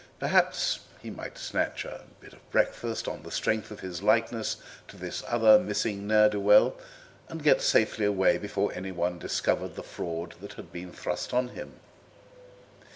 Perhaps he might snatch a bit of breakfast on the strength of his likeness to this other missing ne'er do well, and get safely away before anyone discovered the fraud that had been thrust on him.